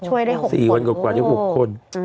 ช่วยได้๖คน